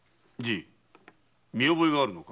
見覚えがあるのか？